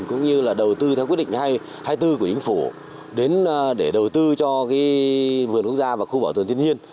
cũng như là đầu tư theo quyết định hai mươi bốn của chính phủ để đầu tư cho vườn quốc gia và khu bảo tường thiên nhiên